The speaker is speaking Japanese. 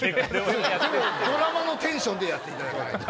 ドラマのテンションでやっていただかないと。